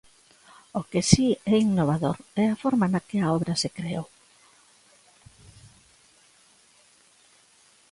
O que si é innovador é a forma na que a obra se creou.